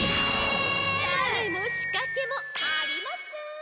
タネもしかけもありません！